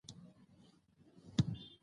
تکراري خبري کوي.